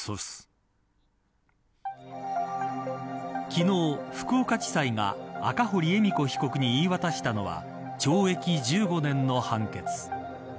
昨日、福岡地裁が赤堀恵美子被告に言い渡したのは懲役１５年の判決。